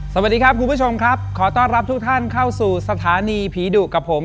สวัสดีครับคุณผู้ชมครับขอต้อนรับทุกท่านเข้าสู่สถานีผีดุกับผม